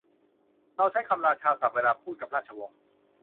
เราใช้คำราชาศัพท์ เวลาพูดกับราชวงศ์